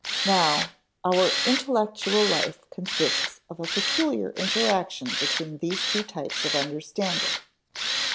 Now our intellectual life consists of a peculiar interaction between these two types of understanding.